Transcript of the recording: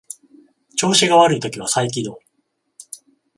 調子が悪い時は再起動